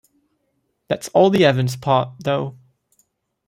That's all the Evans part, though.